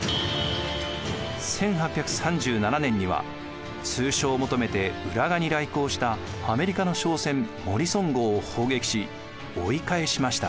１８３７年には通商を求めて浦賀に来航したアメリカの商船モリソン号を砲撃し追い返しました。